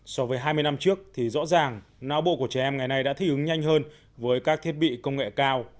so với hai mươi năm trước thì rõ ràng não bộ của trẻ em ngày nay đã thích ứng nhanh hơn với các thiết bị công nghệ cao